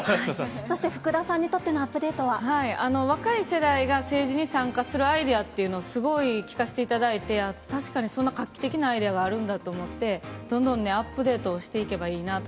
そして、福田さんにとっての若い世代が政治に参加するアイデアっていうのをすごい聞かせていただいて、確かにそんな画期的なアイデアがあるんだと思って、どんどんアップデートをしていけばいいなぁと。